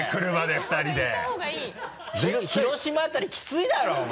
広島辺りきついだろお前。